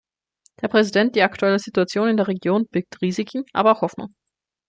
Herr Präsident, die aktuelle Situation in der Region birgt Risiken, aber auch Hoffnung.